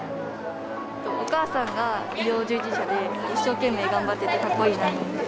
お母さんが医療従事者で一生懸命頑張っててかっこいいなって。